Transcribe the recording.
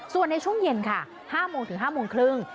ส่วนในช่วงเย็นค่ะ๕โมงถึง๕โมงครึ่ง